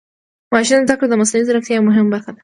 ماشین زده کړه د مصنوعي ځیرکتیا یوه مهمه برخه ده.